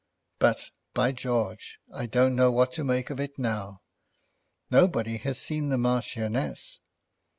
But, by George, I don't know what to make of it now. Nobody has seen the Marchioness!"